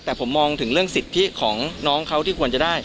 แต่ผมมองถึงเรื่องสิทธิของน้องเขาที่ควรจะได้